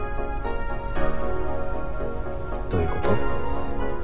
どういうこと？